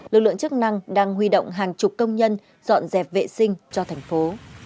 lực lượng chức năng đang huy động hàng chục công nhân dọn dẹp vệ sinh cho thành phố